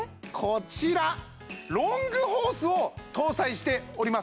こちらロングホースを搭載しております